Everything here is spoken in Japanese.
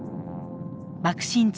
爆心地